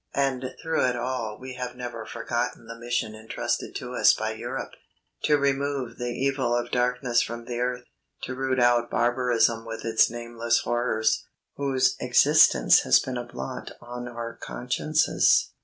And through it all we have never forgotten the mission entrusted to us by Europe to remove the evil of darkness from the earth to root out barbarism with its nameless horrors, whose existence has been a blot on our consciences.